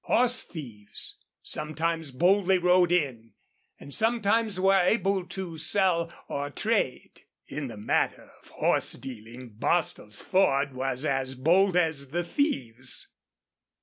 Horse thieves sometimes boldly rode in, and sometimes were able to sell or trade. In the matter of horse dealing Bostil's Ford was as bold as the thieves.